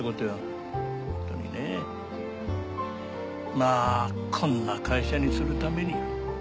まあこんな会社にするために。